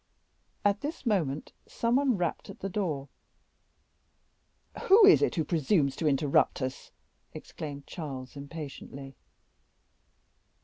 At this moment some one rapped at the door. "Who is it who presumes to interrupt us?" exclaimed Charles, impatiently.